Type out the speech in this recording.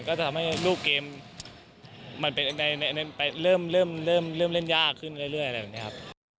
ก็จะทำให้รูปเกมมันเป็นอะไรอะไรเริ่มเริ่มเริ่มเริ่มเล่นยากขึ้นเรื่อยเรื่อยอะไรแบบนี้ครับ